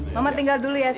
mama tinggal dulu ya salah